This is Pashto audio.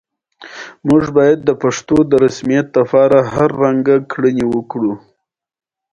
فیروز آباد چېرې وو.